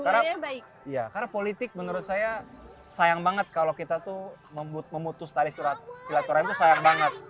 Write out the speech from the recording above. karena politik menurut saya sayang banget kalau kita tuh memutus tali silat turan itu sayang banget